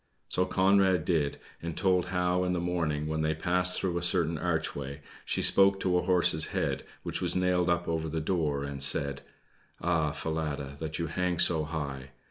So Conrad did, and told how, in the morning, when they passed through a certain archway, she spoke to a horse's head, which was nailed up over the door, and said: "Ah, Falada, that you hang so high!"